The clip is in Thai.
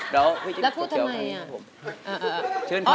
แล้วพูดทำไมอ่ะ